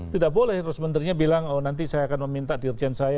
tidak boleh terus menterinya bilang oh nanti saya akan meminta dirjen saya